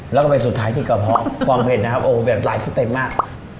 แล้วก็ไปสุดท้ายที่กระเพาะความเผ็ดนะครับโอ้แบบหลายสเต็ปมาก